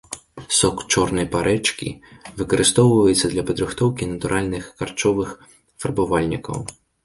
Сок чорнай парэчкі выкарыстоўваецца для падрыхтоўкі натуральных харчовых фарбавальнікаў.